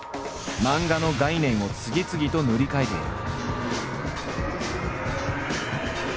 漫画の概念を次々と塗り替えている。